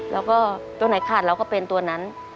แล้วก็ตัวไหนขาดเราก็เป็นตัวนั้น